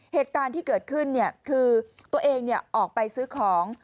เหตุการณ์ที่เกิดขึ้นคือตัวเองออกไปซื้อของ